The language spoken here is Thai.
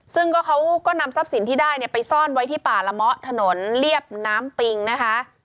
ซึ่งก็เขาก็นำทรัพย์สินที่ได้เนี่ยไปซ่อนไว้ที่ป่าละเมาะถนนเรียบน้ำปิงนะคะ